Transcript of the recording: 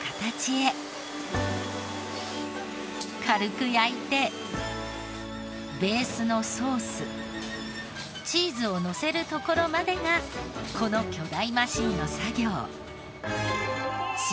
軽く焼いてベースのソースチーズをのせるところまでがこの巨大マシーンの作業。